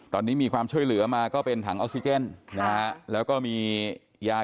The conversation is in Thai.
ตอนนี้มีความช่วยเหลือมาก็เป็นถังออกซิเจนนะฮะแล้วก็มียา